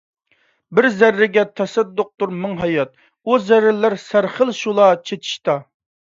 بىر زەررىگە تەسەددۇقتۇر مىڭ ھايات، ئۇ زەررىلەر سەرخىل شولا چېچىشتا ...